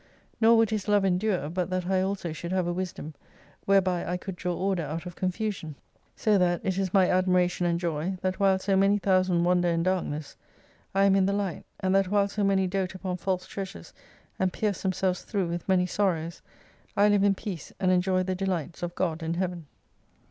Nor would His love endure, but that I also should have a wisdom, whereby I could draw order out of confusion. So that it is my admiration and joy, that while so many thousand wander in Darkness, I am in the Light, and that while so many dote upon false treasures and pierce them selves through with many sorrows, I live in peace, and enjoy the delights of God and Heaven.